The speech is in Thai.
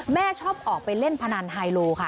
แม่ชอบออกไปเล่นพนันไฮโลค่ะ